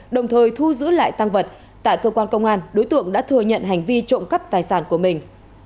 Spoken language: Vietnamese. đồng thời thu giữ lại tăng vật tại cơ quan công an đối tượng đã thừa nhận hành vi trộm cắp tài sản của mình